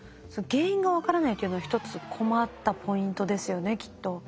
その原因が分からないというのは一つ困ったポイントですよねきっと。